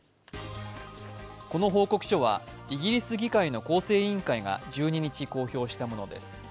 この報告書はイギリス議会の厚生委員会が１２日、公表したものです。